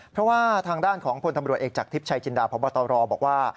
เพราะว่าทางด้านของพลตำรวจเอกจากทิพย์ชัยจินดาพบตรบอกว่า